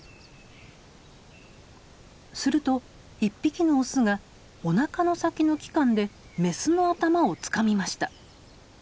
すると一匹のオスがおなかの先の器官でメスの頭をつかみました。